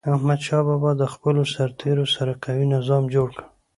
احمدشاه بابا د خپلو سرتېرو سره قوي نظام جوړ کړ.